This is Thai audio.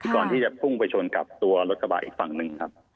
ก่อนที่จะพุ่งไปชนกับตัวรถกระบะอีกฝั่งหนึ่งครับ